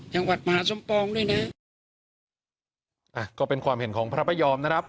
จังหวัดมหาสมปองด้วยนะอ่ะก็เป็นความเห็นของพระพยอมนะครับ